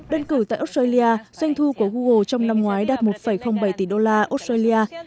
đơn cử tại australia doanh thu của google trong năm ngoái đạt một bảy tỷ đô la australia